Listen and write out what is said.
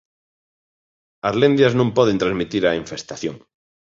As lendias non poden transmitir a infestación.